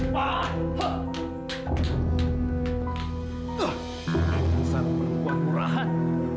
bisa berbuat murahan